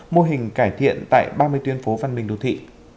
mô hình cải thiện tại ba mươi tuyến phố văn minh đô thị